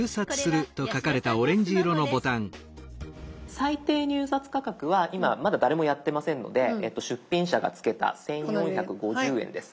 最低入札価格は今まだ誰もやってませんので出品者がつけた１，４５０円です。